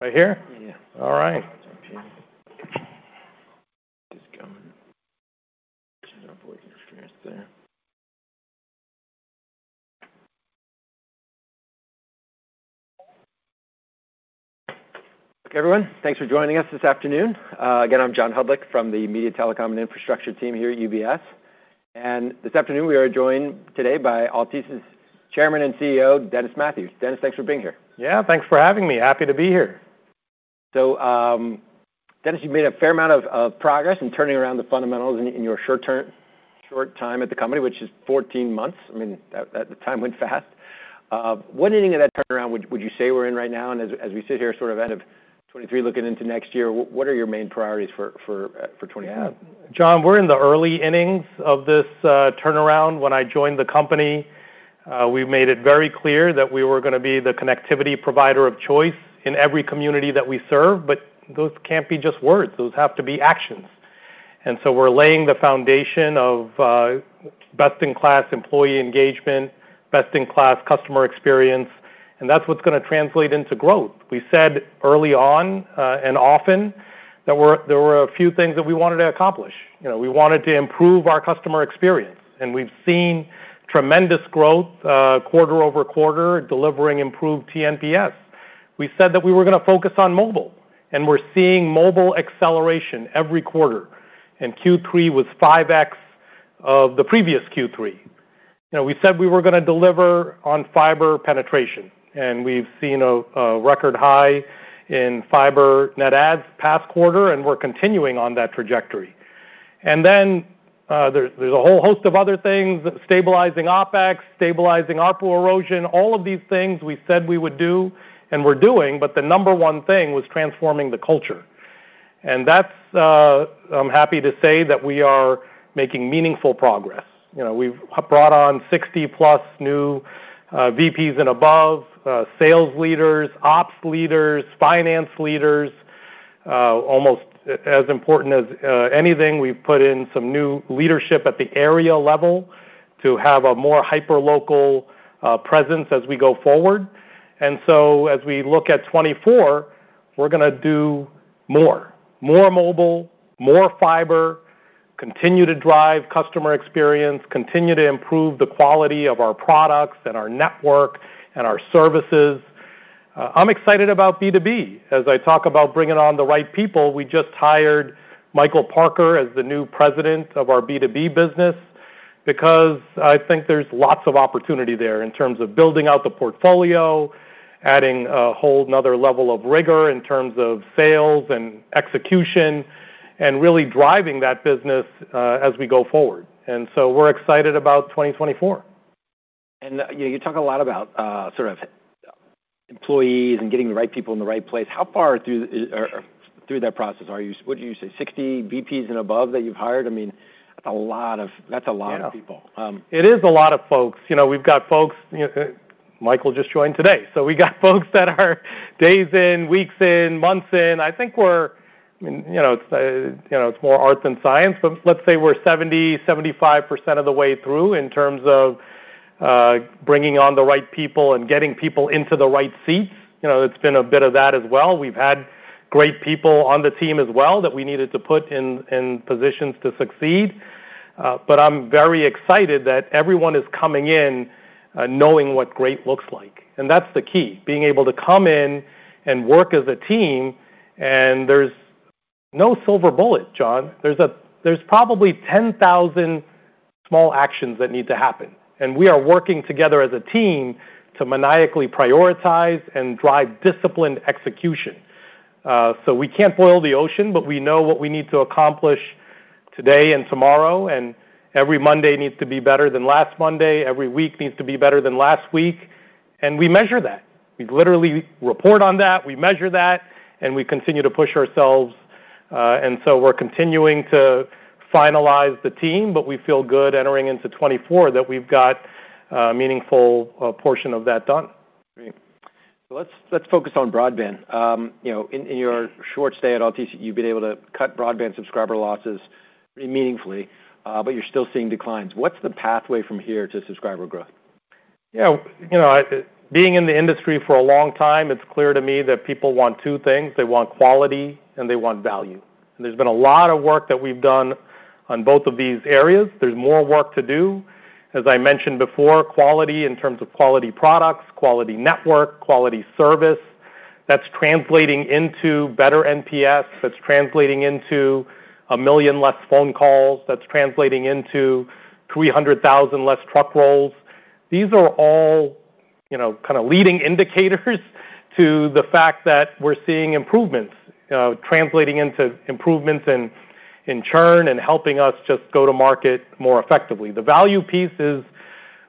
Right here? Yeah. All right. It's coming. Turn up voice experience there. Okay, everyone, thanks for joining us this afternoon. Again, I'm John Hodulik from the Media Telecom and Infrastructure team here at UBS. This afternoon, we are joined today by Altice's Chairman and CEO, Dennis Mathew. Dennis, thanks for being here. Yeah, thanks for having me. Happy to be here. So, Dennis, you've made a fair amount of progress in turning around the fundamentals in your short time at the company, which is 14 months. I mean, that time went fast. What inning of that turnaround would you say we're in right now? And as we sit here, sort of out of 2023, looking into next year, what are your main priorities for 2024? Yeah. John, we're in the early innings of this, turnaround. When I joined the company, we made it very clear that we were gonna be the connectivity provider of choice in every community that we serve, but those can't be just words, those have to be actions. And so we're laying the foundation of, best-in-class employee engagement, best-in-class customer experience, and that's what's gonna translate into growth. We said early on, and often that there were a few things that we wanted to accomplish. You know, we wanted to improve our customer experience, and we've seen tremendous growth, quarter-over-quarter, delivering improved TNPS. We said that we were gonna focus on mobile, and we're seeing mobile acceleration every quarter, and Q3 was 5x of the previous Q3. Now, we said we were gonna deliver on fiber penetration, and we've seen a record high in fiber net adds past quarter, and we're continuing on that trajectory. And then, there's a whole host of other things, stabilizing OpEx, stabilizing ARPU erosion, all of these things we said we would do and we're doing, but the number one thing was transforming the culture. And that's, I'm happy to say that we are making meaningful progress. You know, we've brought on 60+ new VPs and above, sales leaders, ops leaders, finance leaders. Almost as important as anything, we've put in some new leadership at the area level to have a more hyperlocal presence as we go forward. And so as we look at 2024, we're gonna do more. More mobile, more fiber, continue to drive customer experience, continue to improve the quality of our products and our network and our services. I'm excited about B2B. As I talk about bringing on the right people, we just hired Michael Parker as the new president of our B2B business, because I think there's lots of opportunity there in terms of building out the portfolio, adding a whole another level of rigor in terms of sales and execution, and really driving that business, as we go forward. And so we're excited about 2024. You know, you talk a lot about sort of employees and getting the right people in the right place. How far through that process are you? What did you say, 60 VPs and above that you've hired? I mean, that's a lot of people. Yeah. Um- It is a lot of folks. You know, we've got folks, you know. Michael just joined today, so we got folks that are days in, weeks in, months in. I think we're, I mean, you know, it's, you know, it's more arts than science, but let's say we're 70%-75% of the way through in terms of bringing on the right people and getting people into the right seats. You know, it's been a bit of that as well. We've had great people on the team as well that we needed to put in positions to succeed. But I'm very excited that everyone is coming in knowing what great looks like, and that's the key, being able to come in and work as a team. There's no silver bullet, John. There's probably 10,000 small actions that need to happen, and we are working together as a team to maniacally prioritize and drive disciplined execution. So we can't boil the ocean, but we know what we need to accomplish today and tomorrow, and every Monday needs to be better than last Monday. Every week needs to be better than last week, and we measure that. We literally report on that, we measure that, and we continue to push ourselves. And so we're continuing to finalize the team, but we feel good entering into 2024 that we've got a meaningful portion of that done. Great. So let's focus on broadband. You know, in your short stay at Altice, you've been able to cut broadband subscriber losses meaningfully, but you're still seeing declines. What's the pathway from here to subscriber growth? Yeah, you know, being in the industry for a long time, it's clear to me that people want two things: they want quality, and they want value. And there's been a lot of work that we've done on both of these areas. There's more work to do. As I mentioned before, quality in terms of quality products, quality network, quality service, that's translating into better NPS, that's translating into 1 million less phone calls, that's translating into 300,000 less truck rolls. These are all, you know, kinda leading indicators to the fact that we're seeing improvements, translating into improvements in churn and helping us just go to market more effectively. The value piece is...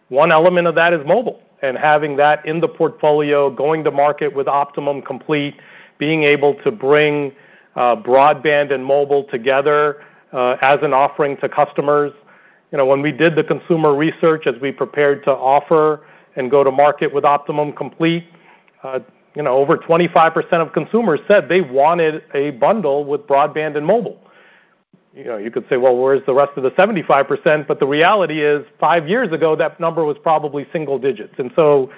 One element of that is mobile, and having that in the portfolio, going to market with Optimum Complete, being able to bring, broadband and mobile together, as an offering to customers. You know, when we did the consumer research, as we prepared to offer and go to market with Optimum Complete, you know, over 25% of consumers said they wanted a bundle with broadband and mobile.... you know, you could say, well, where is the rest of the 75%? But the reality is, five years ago, that number was probably single digits. And so,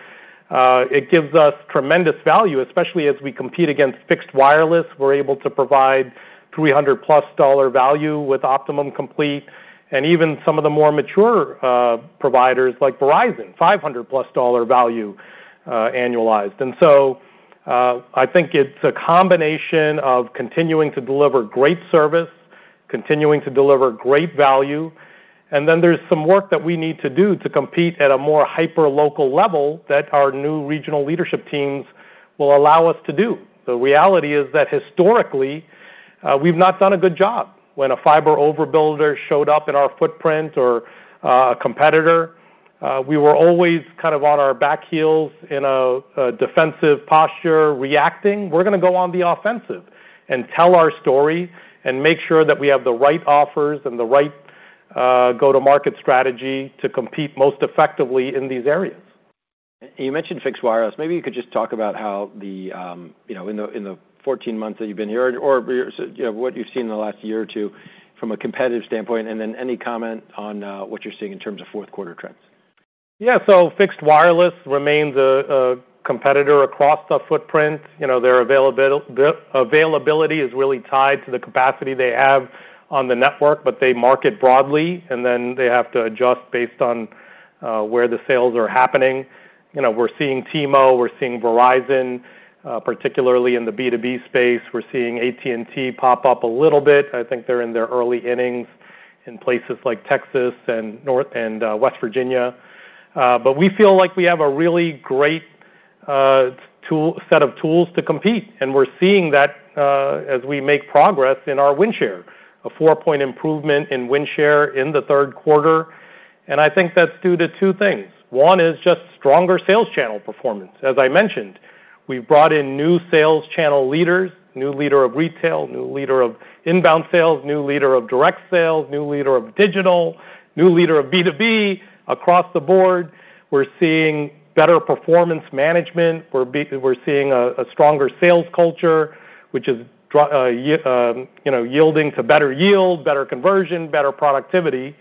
it gives us tremendous value, especially as we compete against fixed wireless. We're able to provide $300+ dollar value with Optimum Complete, and even some of the more mature, providers like Verizon, $500+ dollar value, annualized. And so, I think it's a combination of continuing to deliver great service, continuing to deliver great value, and then there's some work that we need to do to compete at a more hyperlocal level that our new regional leadership teams will allow us to do. The reality is that historically, we've not done a good job. When a fiber overbuilder showed up in our footprint or a competitor, we were always kind of on our back heels in a defensive posture, reacting. We're gonna go on the offensive and tell our story and make sure that we have the right offers and the right go-to-market strategy to compete most effectively in these areas. You mentioned fixed wireless. Maybe you could just talk about how the, you know, in the 14 months that you've been here or you know, what you've seen in the last year or two from a competitive standpoint, and then any comment on what you're seeing in terms of fourth quarter trends. Yeah. So fixed wireless remains a competitor across the footprint. You know, the availability is really tied to the capacity they have on the network, but they market broadly, and then they have to adjust based on where the sales are happening. You know, we're seeing T-Mobile, we're seeing Verizon, particularly in the B2B space. We're seeing AT&T pop up a little bit. I think they're in their early innings in places like Texas and West Virginia. But we feel like we have a really great set of tools to compete, and we're seeing that as we make progress in our win share. A 4-point improvement in win share in the third quarter, and I think that's due to two things. One is just stronger sales channel performance. As I mentioned, we brought in new sales channel leaders, new leader of retail, new leader of inbound sales, new leader of direct sales, new leader of digital, new leader of B2B. Across the board, we're seeing better performance management. We're seeing a stronger sales culture, which is, you know, yielding to better yield, better conversion, better productivity.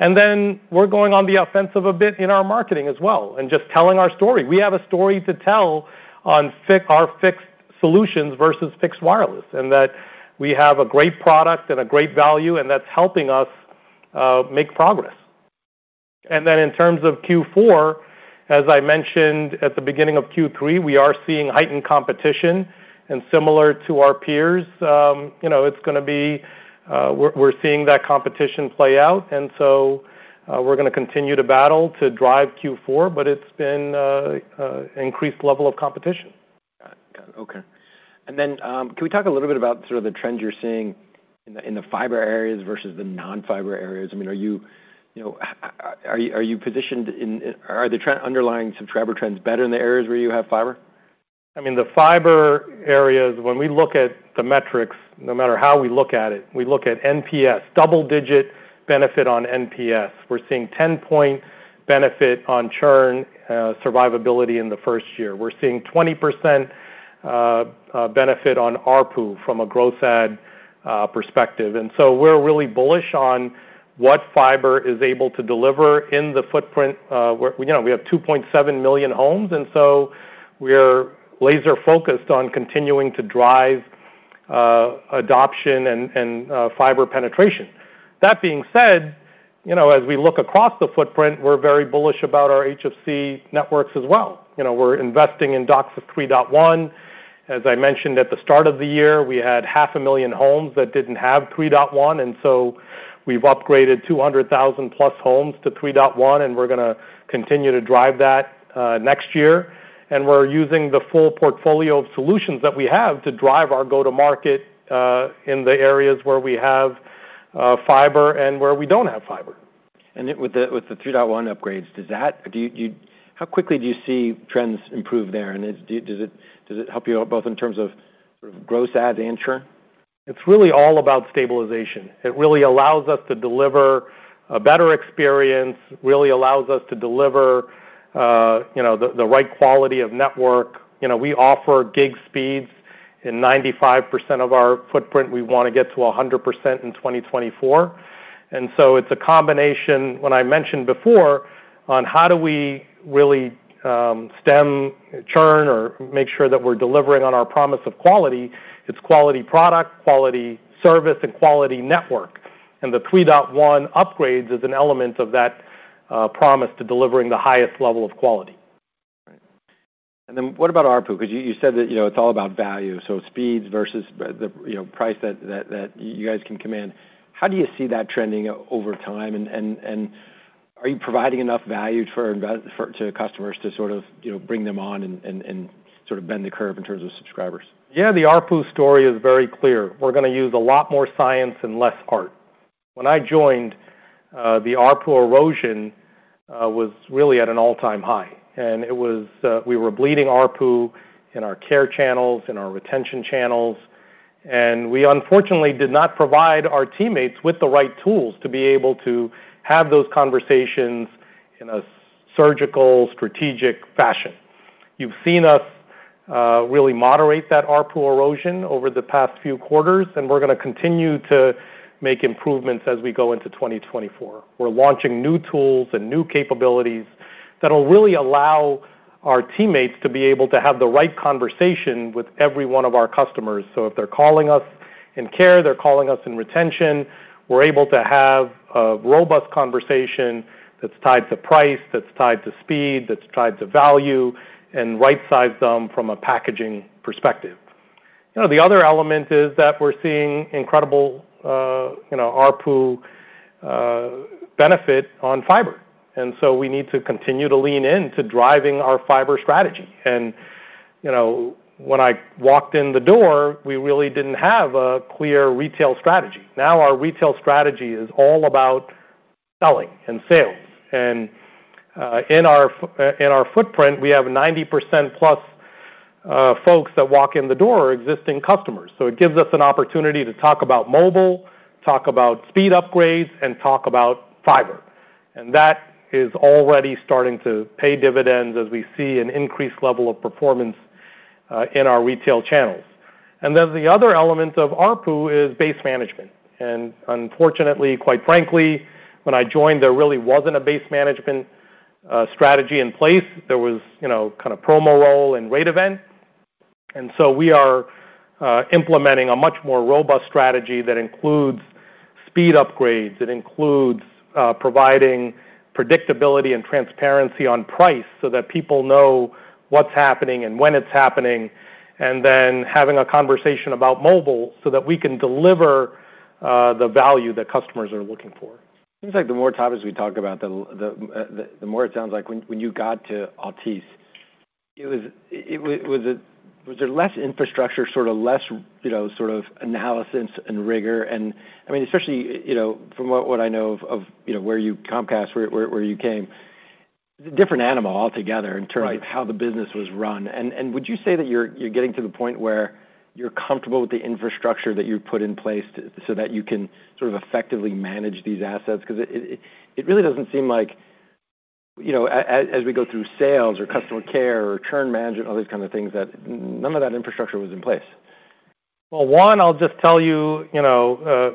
And then we're going on the offensive a bit in our marketing as well and just telling our story. We have a story to tell on our fixed solutions versus fixed wireless, and that we have a great product and a great value, and that's helping us make progress. And then in terms of Q4, as I mentioned at the beginning of Q3, we are seeing heightened competition, and similar to our peers, you know, it's gonna be... We're seeing that competition play out, and so we're gonna continue to battle to drive Q4, but it's been an increased level of competition. Got it. Okay. And then, can we talk a little bit about sort of the trends you're seeing in the fiber areas versus the non-fiber areas? I mean, you know, are the underlying subscriber trends better in the areas where you have fiber? I mean, the fiber areas, when we look at the metrics, no matter how we look at it, we look at NPS, double-digit benefit on NPS. We're seeing 10-point benefit on churn, survivability in the first year. We're seeing 20% benefit on ARPU from a growth add perspective. And so we're really bullish on what fiber is able to deliver in the footprint. We're you know, we have 2.7 million homes, and so we're laser-focused on continuing to drive adoption and fiber penetration. That being said, you know, as we look across the footprint, we're very bullish about our HFC networks as well. You know, we're investing in DOCSIS 3.1. As I mentioned at the start of the year, we had 500,000 homes that didn't have 3.1, and so we've upgraded 200,000+ homes to 3.1, and we're gonna continue to drive that next year. And we're using the full portfolio of solutions that we have to drive our go-to-market in the areas where we have fiber and where we don't have fiber. With the 3.1 upgrades, how quickly do you see trends improve there? And does it help you out, both in terms of sort of gross add and churn? It's really all about stabilization. It really allows us to deliver a better experience, really allows us to deliver, you know, the right quality of network. You know, we offer gig speeds in 95% of our footprint. We wanna get to 100% in 2024. And so it's a combination, when I mentioned before, on how do we really, stem churn or make sure that we're delivering on our promise of quality. It's quality product, quality service, and quality network. And the 3.1 upgrades is an element of that, promise to delivering the highest level of quality. Right. And then what about ARPU? Because you said that, you know, it's all about value, so speeds versus the, you know, price that you guys can command. How do you see that trending over time? And are you providing enough value to our invest-- for, to customers to sort of, you know, bring them on and sort of bend the curve in terms of subscribers? Yeah, the ARPU story is very clear. We're gonna use a lot more science and less art. When I joined, the ARPU erosion was really at an all-time high, and it was, we were bleeding ARPU in our care channels, in our retention channels, and we unfortunately did not provide our teammates with the right tools to be able to have those conversations in a surgical, strategic fashion.... You've seen us, really moderate that ARPU erosion over the past few quarters, and we're gonna continue to make improvements as we go into 2024. We're launching new tools and new capabilities that will really allow our teammates to be able to have the right conversation with every one of our customers. So if they're calling us in care, they're calling us in retention, we're able to have a robust conversation that's tied to price, that's tied to speed, that's tied to value, and right-size them from a packaging perspective. You know, the other element is that we're seeing incredible, you know, ARPU benefit on fiber, and so we need to continue to lean in to driving our fiber strategy. And you know, when I walked in the door, we really didn't have a clear retail strategy. Now, our retail strategy is all about selling and sales. And, in our footprint, we have 90%+, folks that walk in the door are existing customers. So it gives us an opportunity to talk about mobile, talk about speed upgrades, and talk about fiber. And that is already starting to pay dividends as we see an increased level of performance in our retail channels. And then the other element of ARPU is base management. And unfortunately, quite frankly, when I joined, there really wasn't a base management strategy in place. There was, you know, kinda promo roll and rate events. And so we are implementing a much more robust strategy that includes speed upgrades, it includes providing predictability and transparency on price so that people know what's happening and when it's happening, and then having a conversation about mobile so that we can deliver the value that customers are looking for. Seems like the more times as we talk about, the more it sounds like when you got to Altice, was there less infrastructure, sorta less, you know, sort of analysis and rigor? And I mean, especially, you know, from what I know of, you know, where you Comcast, where you came, it's a different animal altogether- Right... in terms of how the business was run. And would you say that you're getting to the point where you're comfortable with the infrastructure that you put in place so that you can sort of effectively manage these assets? 'Cause it really doesn't seem like, you know, as we go through sales or customer care or churn management, all these kind of things, that none of that infrastructure was in place. Well, one, I'll just tell you, you know,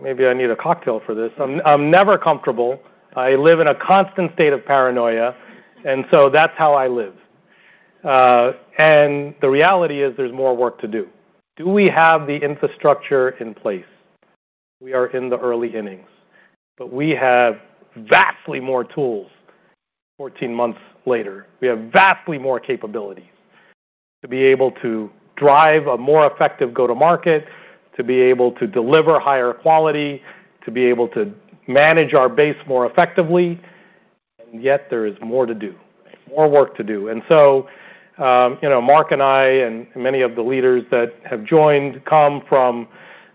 maybe I need a cocktail for this. I'm, I'm never comfortable. I live in a constant state of paranoia, and so that's how I live. The reality is, there's more work to do. Do we have the infrastructure in place? We are in the early innings, but we have vastly more tools 14 months later. We have vastly more capabilities to be able to drive a more effective go-to-market, to be able to deliver higher quality, to be able to manage our base more effectively, and yet there is more to do, more work to do. And so, you know, Marc and I, and many of the leaders that have joined, come from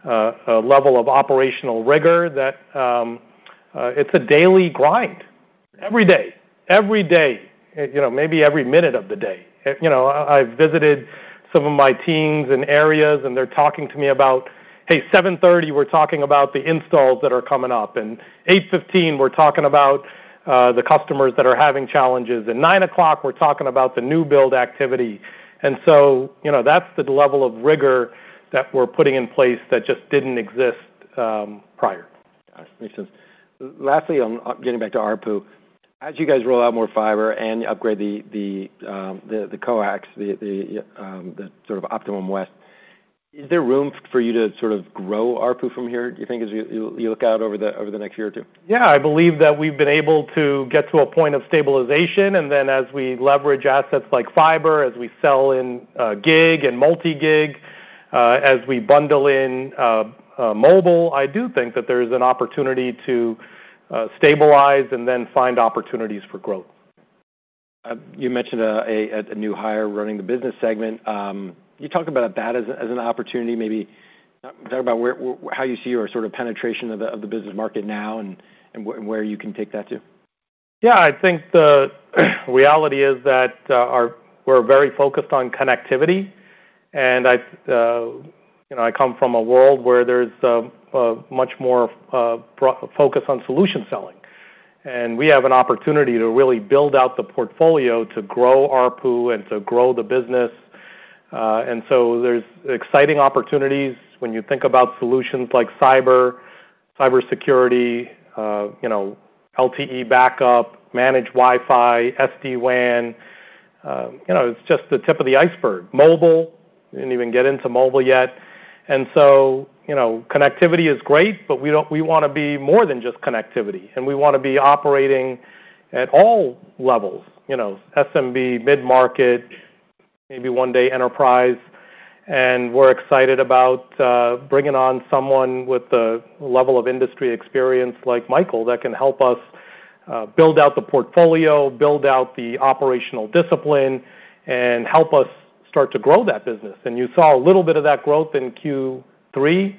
a level of operational rigor that it's a daily grind. Every day, every day, you know, maybe every minute of the day. You know, I've visited some of my teams and areas, and they're talking to me about, "Hey, 7:30, we're talking about the installs that are coming up, and 8:15, we're talking about the customers that are having challenges, and 9:00, we're talking about the new build activity." And so, you know, that's the level of rigor that we're putting in place that just didn't exist prior. Makes sense. Lastly, on getting back to ARPU, as you guys roll out more fiber and upgrade the coax, the sort of Optimum West, is there room for you to sort of grow ARPU from here, you think, as you look out over the next year or two? Yeah, I believe that we've been able to get to a point of stabilization, and then as we leverage assets like fiber, as we sell in, gig and multi-gig, as we bundle in, mobile, I do think that there's an opportunity to stabilize and then find opportunities for growth. You mentioned a new hire running the business segment. Can you talk about that as an opportunity, maybe talk about where... how you see your sort of penetration of the business market now and where you can take that to? Yeah, I think the reality is that, we're very focused on connectivity, and I, you know, I come from a world where there's a much more focus on solution selling. And we have an opportunity to really build out the portfolio to grow ARPU and to grow the business. And so there's exciting opportunities when you think about solutions like cyber, cybersecurity, you know, LTE Backup, Managed Wi-Fi, SD-WAN. You know, it's just the tip of the iceberg. Mobile, didn't even get into mobile yet. And so, you know, connectivity is great, but we don't, we wanna be more than just connectivity, and we wanna be operating at all levels, you know, SMB, mid-market, maybe one day enterprise. We're excited about bringing on someone with the level of industry experience like Michael, that can help us build out the portfolio, build out the operational discipline, and help us start to grow that business. And you saw a little bit of that growth in Q3,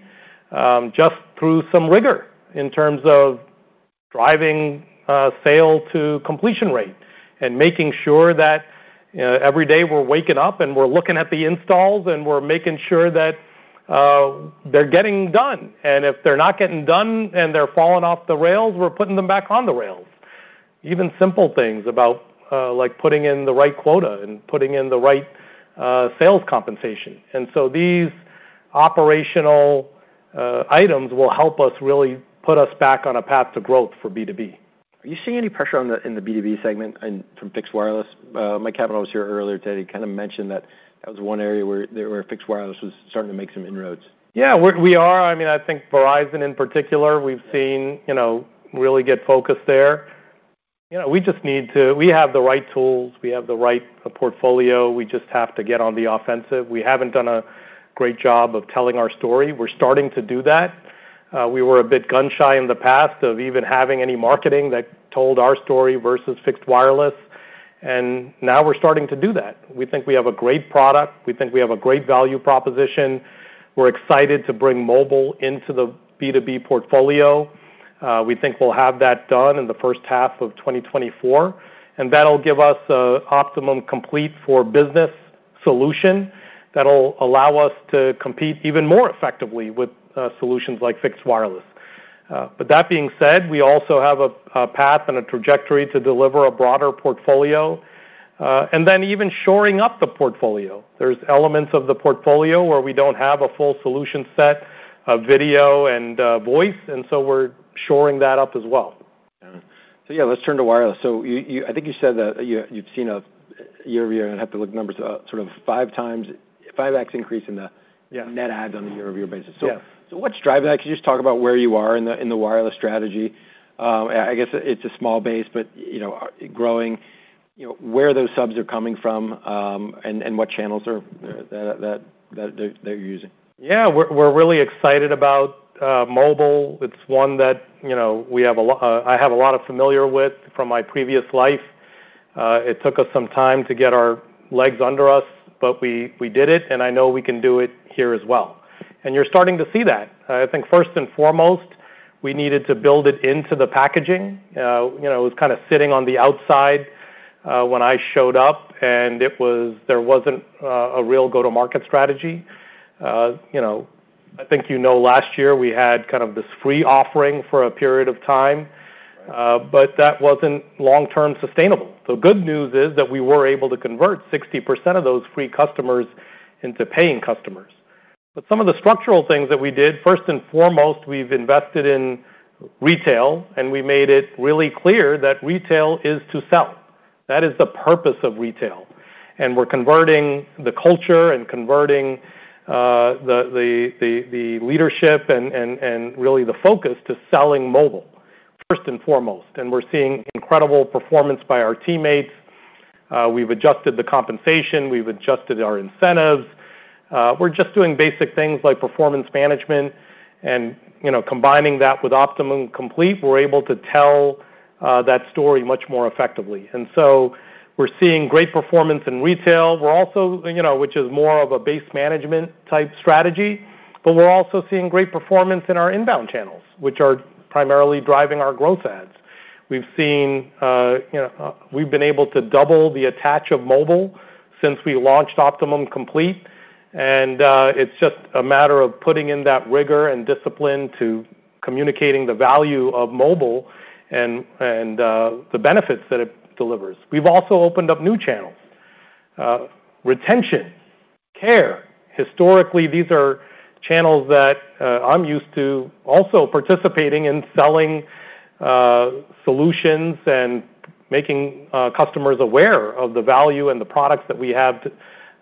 just through some rigor in terms of driving sale to completion rate and making sure that every day we're waking up and we're looking at the installs, and we're making sure that they're getting done, and if they're not getting done and they're falling off the rails, we're putting them back on the rails. Even simple things about like putting in the right quota and putting in the right sales compensation. And so these operational items will help us really put us back on a path to growth for B2B. Are you seeing any pressure in the B2B segment and from fixed wireless? Mike Cavanagh was here earlier today. He kind of mentioned that that was one area where fixed wireless was starting to make some inroads. Yeah, we are. I mean, I think Verizon, in particular, we've seen, you know, really get focused there. You know, we just need to, we have the right tools, we have the right portfolio, we just have to get on the offensive. We haven't done a great job of telling our story. We're starting to do that. We were a bit gun-shy in the past of even having any marketing that told our story versus fixed wireless, and now we're starting to do that. We think we have a great product. We think we have a great value proposition. We're excited to bring mobile into the B2B portfolio. We think we'll have that done in the first half of 2024, and that'll give us a Optimum Complete for business solution that'll allow us to compete even more effectively with solutions like fixed wireless. But that being said, we also have a path and a trajectory to deliver a broader portfolio, and then even shoring up the portfolio. There's elements of the portfolio where we don't have a full solution set of video and voice, and so we're shoring that up as well. So yeah, let's turn to wireless. So you, I think you said that you've seen a year-over-year, and I'd have to look at the numbers, sort of 5x increase in the- Yeah net adds on a year-over-year basis. Yeah. So what's driving that? Can you just talk about where you are in the wireless strategy? I guess it's a small base, but, you know, growing, you know, where those subs are coming from, and what channels that they're using. Yeah, we're really excited about mobile. It's one that, you know, we have a lot I have a lot of familiar with from my previous life. It took us some time to get our legs under us, but we did it, and I know we can do it here as well. You're starting to see that. I think first and foremost, we needed to build it into the packaging. You know, it was kind of sitting on the outside when I showed up, and it was, there wasn't a real go-to-market strategy. You know, I think last year we had kind of this free offering for a period of time, but that wasn't long-term sustainable. The good news is that we were able to convert 60% of those free customers into paying customers. But some of the structural things that we did, first and foremost, we've invested in retail, and we made it really clear that retail is to sell. That is the purpose of retail, and we're converting the culture and converting the leadership and really the focus to selling mobile, first and foremost. And we're seeing incredible performance by our teammates. We've adjusted the compensation, we've adjusted our incentives. We're just doing basic things like performance management and, you know, combining that with Optimum Complete, we're able to tell that story much more effectively. And so we're seeing great performance in retail. We're also, you know, which is more of a base management type strategy, but we're also seeing great performance in our inbound channels, which are primarily driving our growth adds. We've seen, you know, we've been able to double the attach of mobile since we launched Optimum Complete, and it's just a matter of putting in that rigor and discipline to communicating the value of mobile and, and the benefits that it delivers. We've also opened up new channels. Retention, care. Historically, these are channels that I'm used to also participating in selling solutions and making customers aware of the value and the products that we have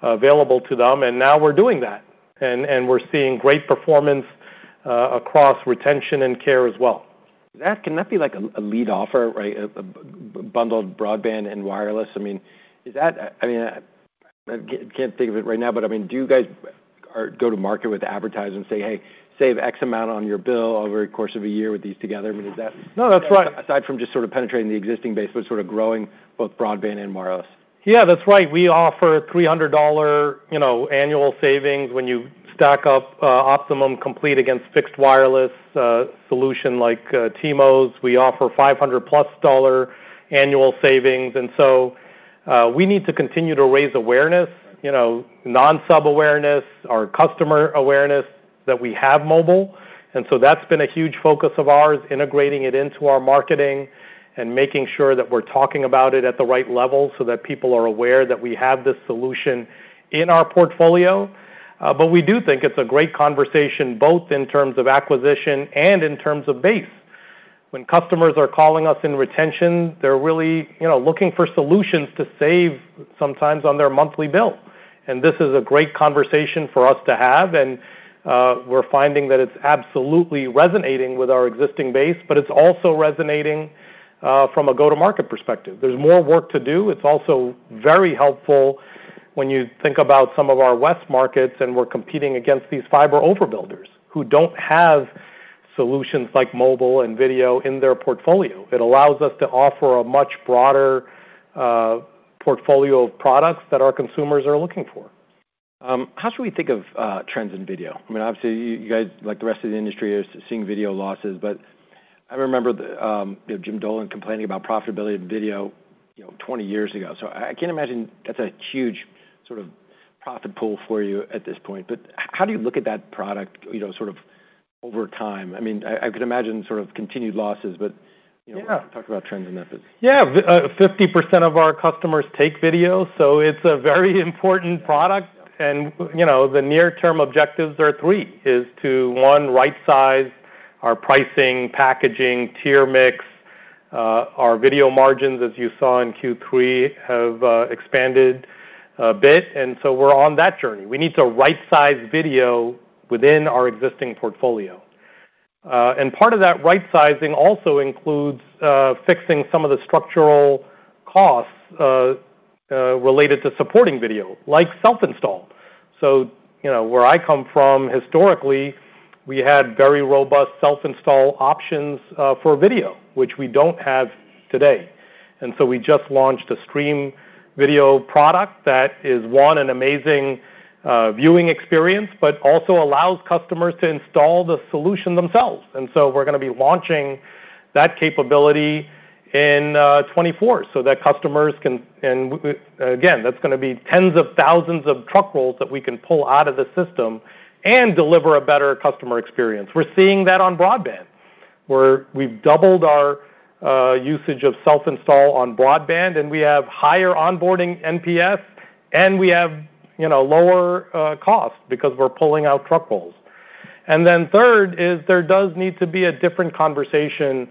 available to them, and now we're doing that, and, and we're seeing great performance across retention and care as well. That can that be, like, a lead offer, right? A bundled broadband and wireless. I mean, is that... I mean, I can't think of it right now, but, I mean, do you guys go to market with advertising and say, "Hey, save X amount on your bill over the course of a year with these together?" I mean, is that- No, that's right. Aside from just sort of penetrating the existing base, but sort of growing both broadband and wireless. Yeah, that's right. We offer $300, you know, annual savings when you stack up Optimum Complete against fixed wireless solution like T-Mo's. We offer $500+ annual savings, and so we need to continue to raise awareness, you know, non-sub awareness or customer awareness, that we have mobile. And so that's been a huge focus of ours, integrating it into our marketing and making sure that we're talking about it at the right level so that people are aware that we have this solution in our portfolio. But we do think it's a great conversation, both in terms of acquisition and in terms of base. When customers are calling us in retention, they're really, you know, looking for solutions to save sometimes on their monthly bill. This is a great conversation for us to have, and, we're finding that it's absolutely resonating with our existing base, but it's also resonating, from a go-to-market perspective. There's more work to do. It's also very helpful when you think about some of our west markets, and we're competing against these fiber overbuilders who don't have solutions like mobile and video in their portfolio. It allows us to offer a much broader portfolio of products that our consumers are looking for. How should we think of trends in video? I mean, obviously, you guys, like the rest of the industry, are seeing video losses, but I remember, you know, Jim Dolan complaining about profitability of video, you know, 20 years ago. So I can imagine that's a huge sort of profit pool for you at this point. But how do you look at that product, you know, sort of over time? I mean, I could imagine sort of continued losses, but- Yeah. Talk about trends and methods. Yeah, 50% of our customers take video, so it's a very important product. You know, the near-term objectives are three, is to, one, right-size our pricing, packaging, tier mix. Our video margins, as you saw in Q3, have expanded a bit, and so we're on that journey. We need to right-size video within our existing portfolio. And part of that right-sizing also includes fixing some of the structural costs related to supporting video, like self-install. So, you know, where I come from, historically, we had very robust self-install options for video, which we don't have today. And so we just launched a stream video product that is, one, an amazing viewing experience, but also allows customers to install the solution themselves. And so we're gonna be launching that capability in 2024 so that customers can... And, again, that's gonna be tens of thousands of truck rolls that we can pull out of the system and deliver a better customer experience. We're seeing that on broadband, where we've doubled our usage of self-install on broadband, and we have higher onboarding NPS, and we have, you know, lower cost because we're pulling out truck rolls. And then third, there does need to be a different conversation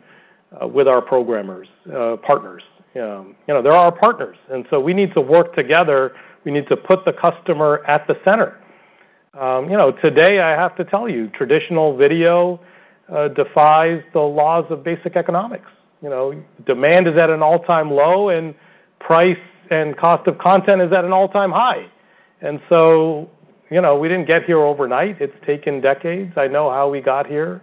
with our programmers partners. You know, they're our partners, and so we need to work together. We need to put the customer at the center. You know, today, I have to tell you, traditional video defies the laws of basic economics. You know, demand is at an all-time low, and price and cost of content is at an all-time high! And so, you know, we didn't get here overnight. It's taken decades. I know how we got here,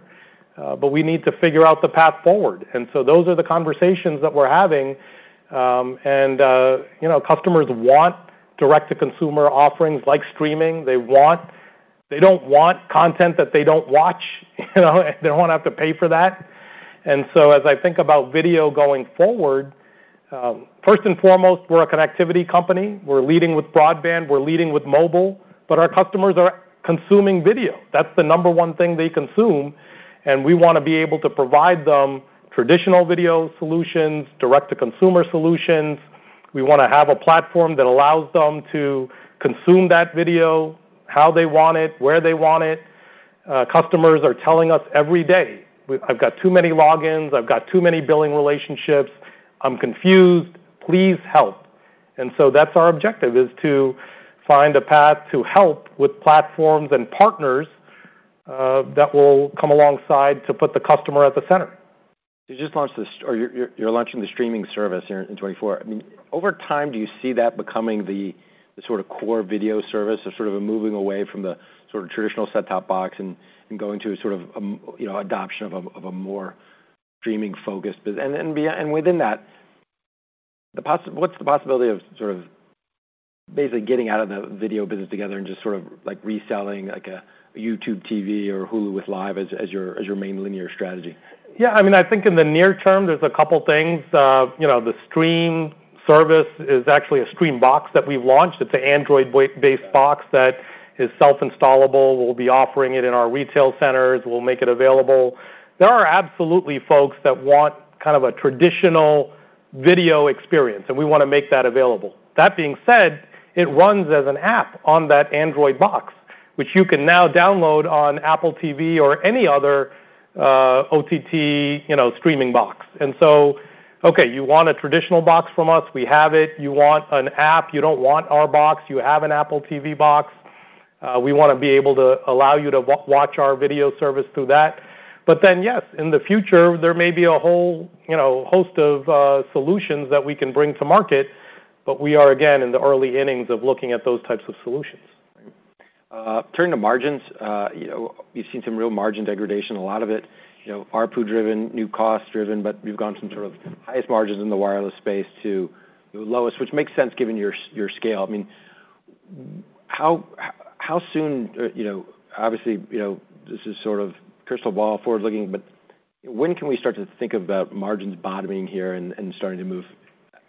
but we need to figure out the path forward. And so those are the conversations that we're having. And you know, customers want direct-to-consumer offerings like streaming. They want- they don't want content that they don't watch. You know, they don't want to have to pay for that. And so as I think about video going forward, first and foremost, we're a connectivity company. We're leading with broadband, we're leading with mobile, but our customers are consuming video. That's the number one thing they consume, and we want to be able to provide them traditional video solutions, direct-to-consumer solutions. We want to have a platform that allows them to consume that video, how they want it, where they want it. Customers are telling us every day, "I've got too many logins. I've got too many billing relationships. I'm confused. Please help." And so that's our objective, is to find a path to help with platforms and partners that will come alongside to put the customer at the center. You just launched this or you're launching the streaming service in 2024. I mean, over time, do you see that becoming the sort of core video service or sort of a moving away from the sort of traditional set-top box and going to a sort of, you know, adoption of a more streaming focus? And within that, what's the possibility of sort of basically getting out of the video business together and just sort of, like, reselling, like, a YouTube TV or Hulu with Live as your main linear strategy? Yeah, I mean, I think in the near term, there's a couple things. You know, the stream service is actually a stream box that we've launched. It's an Android-based box that is self-installable. We'll be offering it in our retail centers. We'll make it available. There are absolutely folks that want kind of a traditional video experience, and we want to make that available. That being said, it runs as an app on that Android box, which you can now download on Apple TV or any other OTT, you know, streaming box. And so, okay, you want a traditional box from us, we have it. You want an app, you don't want our box, you have an Apple TV box, we want to be able to allow you to watch our video service through that. But then, yes, in the future, there may be a whole, you know, host of solutions that we can bring to market, but we are, again, in the early innings of looking at those types of solutions. Turning to margins, you know, we've seen some real margin degradation, a lot of it, you know, ARPU-driven, new cost-driven, but you've gone from sort of highest margins in the wireless space to the lowest, which makes sense given your scale. I mean, how soon, you know, obviously, you know, this is sort of crystal ball forward-looking, but when can we start to think about margins bottoming here and starting to move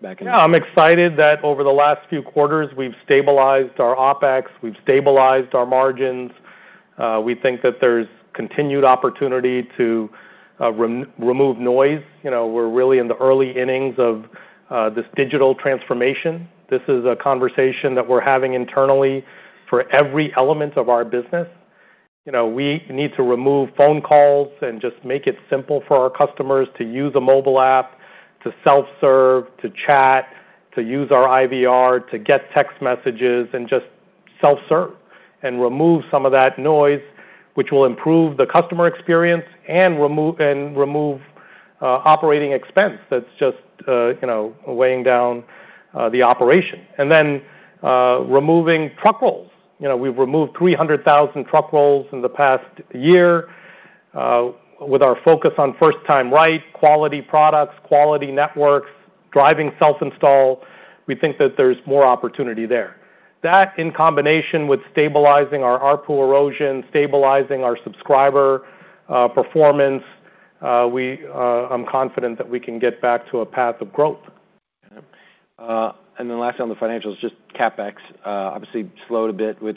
back in? Yeah, I'm excited that over the last few quarters, we've stabilized our OpEx, we've stabilized our margins. We think that there's continued opportunity to remove noise. You know, we're really in the early innings of this digital transformation. This is a conversation that we're having internally for every element of our business. You know, we need to remove phone calls and just make it simple for our customers to use a mobile app, to self-serve, to chat, to use our IVR, to get text messages, and just self-serve and remove some of that noise, which will improve the customer experience and remove operating expense. That's just, you know, weighing down the operation. And then, removing truck rolls. You know, we've removed 300,000 truck rolls in the past year with our focus on first-time right, quality products, quality networks, driving self-install. We think that there's more opportunity there that in combination with stabilizing our ARPU erosion, stabilizing our subscriber performance, we, I'm confident that we can get back to a path of growth. Okay. And then lastly, on the financials, just CapEx, obviously slowed a bit with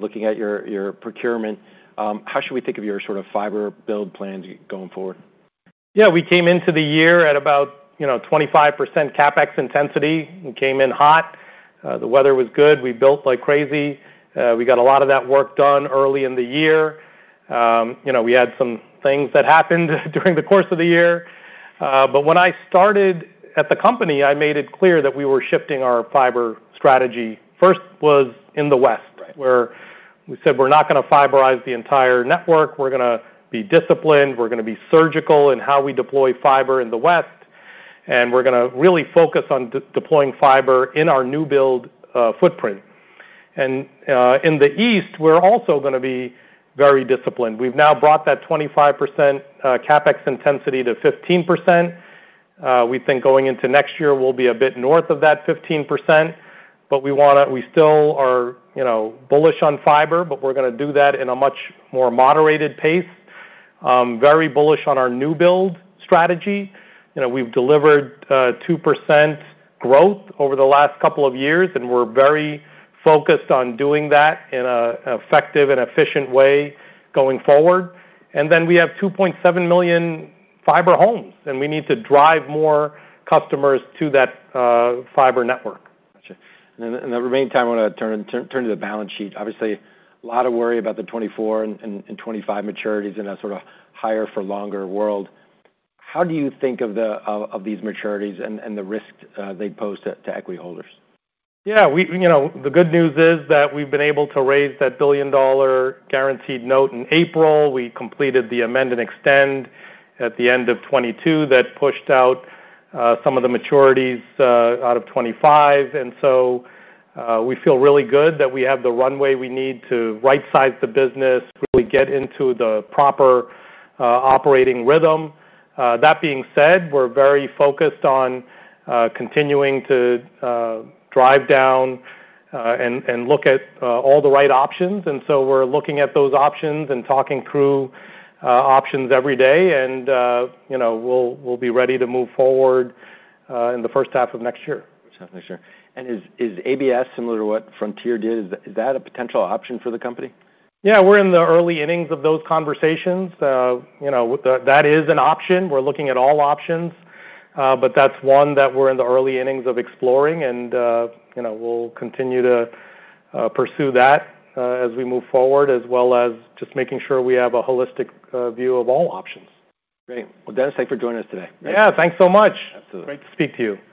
looking at your procurement. How should we think of your sort of fiber build plans going forward? Yeah, we came into the year at about, you know, 25% CapEx intensity, and came in hot. The weather was good. We built like crazy. We got a lot of that work done early in the year. You know, we had some things that happened during the course of the year. But when I started at the company, I made it clear that we were shifting our fiber strategy. First was in the West, where we said, we're not gonna fiberize the entire network. We're gonna be disciplined. We're gonna be surgical in how we deploy fiber in the West, and we're gonna really focus on deploying fiber in our new build footprint. In the East, we're also gonna be very disciplined. We've now brought that 25% CapEx intensity to 15%. We think going into next year, we'll be a bit north of that 15%, but we wanna, we still are, you know, bullish on fiber, but we're gonna do that in a much more moderated pace. Very bullish on our new build strategy. You know, we've delivered 2% growth over the last couple of years, and we're very focused on doing that in an effective and efficient way going forward. And then we have 2.7 million fiber homes, and we need to drive more customers to that fiber network. Got you. Then in the remaining time, I wanna turn to the balance sheet. Obviously, a lot of worry about the 2024 and 2025 maturities in a sorta higher for longer world. How do you think of these maturities and the risks they pose to equity holders? Yeah, you know, the good news is that we've been able to raise that $1 billion guaranteed note in April. We completed the amend and extend at the end of 2022. That pushed out some of the maturities out of 2025, and so we feel really good that we have the runway we need to right-size the business, really get into the proper operating rhythm. That being said, we're very focused on continuing to drive down and look at all the right options. And so we're looking at those options and talking through options every day, and you know, we'll be ready to move forward in the first half of next year. First half of next year. Is ABS similar to what Frontier did? Is that a potential option for the company? Yeah, we're in the early innings of those conversations. You know, that is an option. We're looking at all options, but that's one that we're in the early innings of exploring, and you know, we'll continue to pursue that, as we move forward, as well as just making sure we have a holistic view of all options. Great. Well, Dennis, thank you for joining us today. Yeah, thanks so much. Absolutely. Great to speak to you.